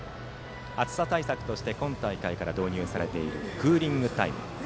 暑さ対策として今大会から導入されているクーリングタイム。